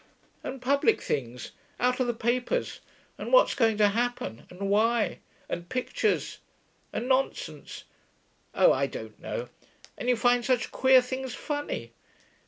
And public things, out of the papers, and what's going to happen, and why, and pictures, and ... nonsense.... Oh, I don't know.... And you find such queer things funny....